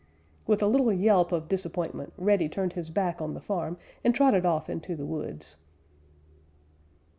With a little yelp of disappointment, Reddy turned his back on the farm and trotted off into the woods.